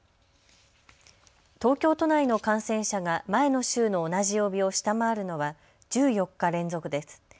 東京都内の感染者が前の週の同じ曜日を下回るのは１４日連続です。